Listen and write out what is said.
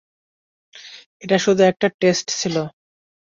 ওটা শুধু একটা টেস্ট ছিল।